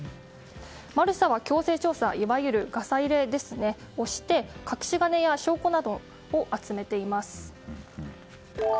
マルサは強制調査いわゆるガサ入れをして隠し金や証拠などを集めています。